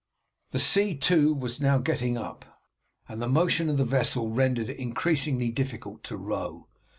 The sea, too, was now getting up, and the motion of the vessel rendered it increasingly difficult to row.